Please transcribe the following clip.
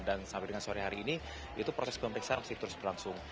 dan sampai dengan sore hari ini itu proses pemeriksaan masih terus berlangsung